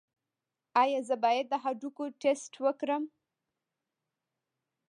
ایا زه باید د هډوکو ټسټ وکړم؟